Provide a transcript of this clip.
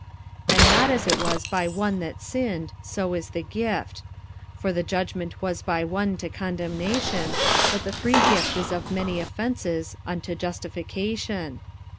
45:005:016 And not as it was by one that sinned, so is the gift: for the judgment was by one to condemnation, but the free gift is of many offences unto justification.